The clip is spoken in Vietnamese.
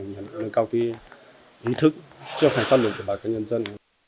để nâng cao ý thức cho hành pháp lực của bà con nhân dân